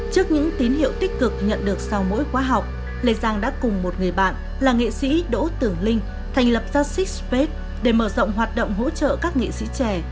trước những tín hiệu tích cực nhận được sau mỗi quá học lê giang đã cùng một người bạn là nghệ sĩ đỗ tưởng linh thành lập ra six space để mở rộng hoạt động hỗ trợ các nghệ sĩ trẻ